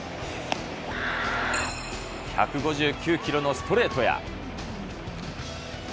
１５９キロのストレートや。